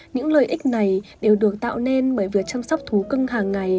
những lợi ích này đều được tạo nên bởi việc chăm sóc thú cưng hàng ngày